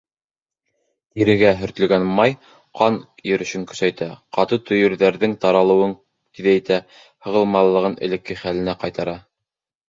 Тирегә һөртөлгән май ҡан йөрөшөн көсәйтә, ҡаты төйөрҙәрҙең таралыуын тиҙәйтә, һығылмалылығын элекке хәленә ҡайтара.